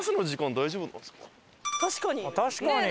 確かに！